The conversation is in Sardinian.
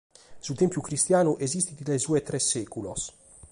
Su tèmpiu cristianu esistit dae su de tres sèculos.